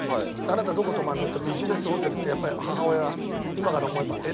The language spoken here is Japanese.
「あなたどこ泊まるの？」って「ビジネスホテル」ってやっぱり母親今から思えば「え？」って思うじゃない。